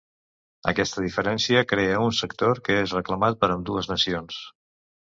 Aquesta diferència crea un sector que és reclamat per ambdues nacions.